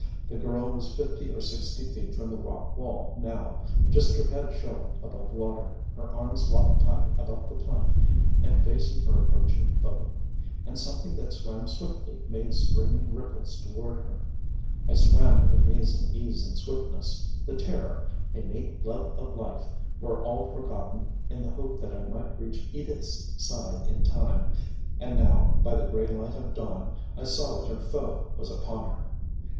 The girl was fifty or sixty feet from the rock wall now, just her head showing above water, her arms locked tight about the plank and facing her approaching foe. And something that swam swiftly made streaming ripples toward her. I swam with amazing ease and swiftness. The terror, innate love of life, were all forgotten in the hope that I might reach Edith's side in time. And now, by the gray light of dawn, I saw that her foe was upon her.